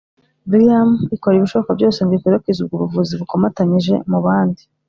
Brigham ikora ibishoboka byose ngo ikwirakwize ubwo buvuzi bukomatanyije mu bandi